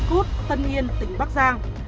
trú tại mỹ độ thành phố bắc giang tỉnh bắc giang